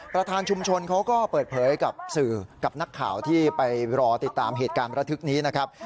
ประธานชุมชนเขาก็เปิดเผยกับสื่อกับนักข่าวที่ไปรอติดตามเหตุการณ์ประทึกนี้นะครับ